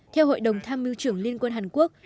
theo hội đồng tham mưu trưởng liên quân hàn quốc